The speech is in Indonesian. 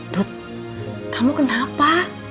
tut kamu kenapa